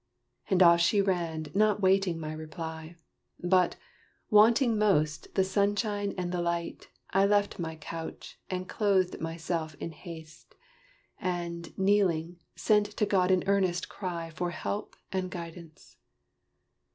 And off she ran, not waiting my reply. But, wanting most the sunshine and the light, I left my couch, and clothed myself in haste, And, kneeling, sent to God an earnest cry For help and guidance.